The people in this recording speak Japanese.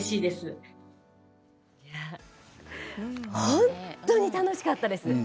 本当に楽しかったです。